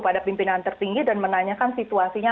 pada pimpinan tertinggi dan menanyakan situasinya